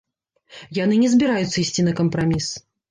Яны не збіраюцца ісці на кампраміс.